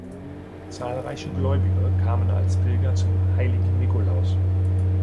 Zahlreiche Gläubige kamen als Pilger zum „Heiligen Nikolaus“.